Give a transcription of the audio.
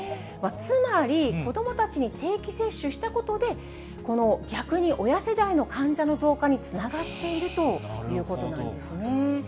つまり、子どもたちに定期接種したことで、逆に親世代の患者の増加につながっているということなんですね。